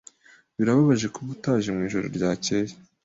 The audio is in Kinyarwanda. Birababaje kuba utaje mwijoro ryakeye.